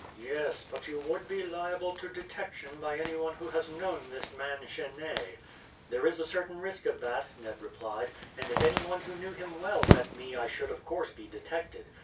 "Yes, but you would be liable to detection by any one who has known this man Genet." "There is a certain risk of that," Ned replied; "and if anyone who knew him well met me I should of course be detected.